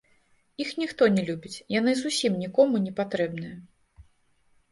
Іх ніхто не любіць, яны зусім нікому не патрэбныя.